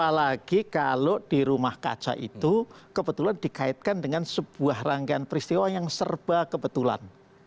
apalagi kalau di rumah kaca itu kebetulan dikaitkan dengan sebuah rangkaian peristiwa yang serba kebetulan